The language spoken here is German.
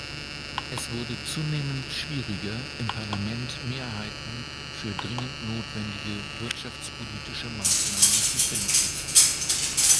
Es wurde zunehmend schwieriger, im Parlament Mehrheiten für dringend notwendige wirtschaftspolitische Maßnahmen zu finden.